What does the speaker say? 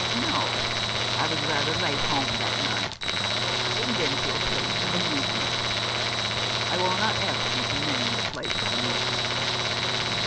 " No. I was rather late home that night. I had been to a place of amusement." " I will not ask you to name the place of amusement."